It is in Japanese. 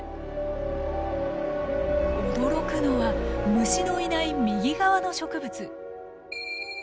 驚くのは虫のいない右側の植物。